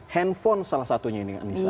handphone salah satunya ini anissa